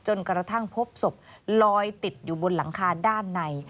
กระทั่งพบศพลอยติดอยู่บนหลังคาด้านใน